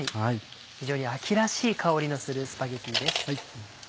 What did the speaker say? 非常に秋らしい香りのするスパゲティです。